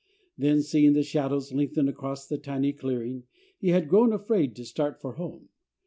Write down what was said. Then seeing the shadows lengthen across the tiny clearing, he had grown afraid to start for home.